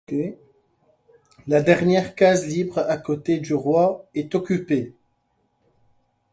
La dernière case libre à côté du roi est occupée.